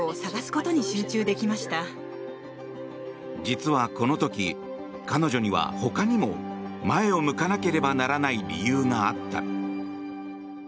実はこの時、彼女には他にも前を向かなければならない理由があった。